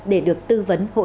để được tư vấn hỗ trợ